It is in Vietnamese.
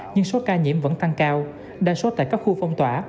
nhưng số ca nhiễm vẫn tăng cao đa số tại các khu phong tỏa